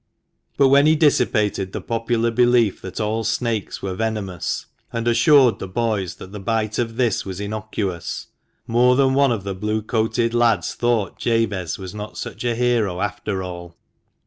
But when he dissipated the popular belief that all snakes were venomous, and assured the boys that the bite of this was innocuous, more than one of the Blue coated lads thought Jabez was not such a hero after all.